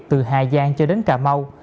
từ hà giang cho đến cà mau